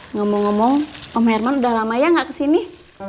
ngomong ngomong om herman udah lama ya nggak kesini